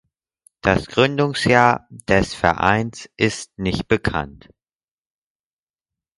Das Gründungsjahr des Vereins ist nicht bekannt.